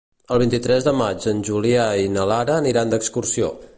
El vint-i-tres de maig en Julià i na Lara aniran d'excursió.